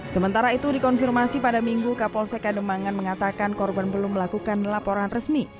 sementara itu dikonfirmasi pada minggu kapolsek ademangan mengatakan korban belum melakukan laporan resmi